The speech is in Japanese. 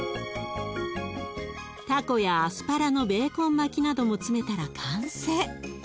たこやアスパラのベーコン巻きなども詰めたら完成。